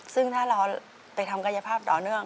ซึ่งถ้าเราไปทำกายภาพต่อเนื่อง